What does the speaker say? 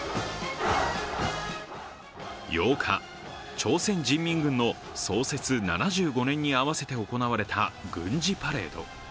８日、朝鮮人民軍の創設７５年に合わせて行われた軍事パレード。